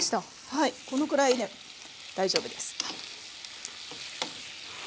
はいこのくらいで大丈夫です。